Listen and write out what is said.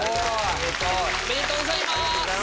おめでとうございます！